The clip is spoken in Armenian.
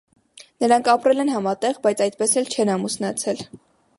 Նրանք ապրել են համատեղ, բայց այդպես էլ չեն ամուսնացել։